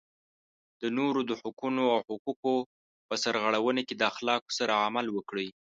د نورو د حقونو او حقوقو په سرغړونه کې د اخلاقو سره عمل وکړئ.